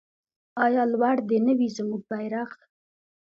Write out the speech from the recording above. آیا لوړ دې نه وي زموږ بیرغ؟